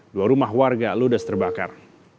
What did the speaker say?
dua rumah warga ludes terbakar